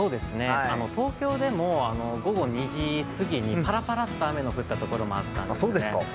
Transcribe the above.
東京でも午後２時すぎにぱらぱらっと雨も降ったところもあったので。